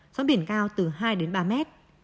gió biển cao từ hai ba mét